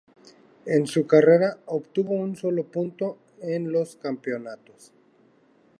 En su carrera obtuvo un solo punto en los campeonatos.